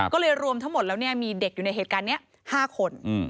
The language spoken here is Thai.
ก็เลยรวมทั้งหมดแล้วมีเด็กอยู่ในเหตุการณ์นี้๕คน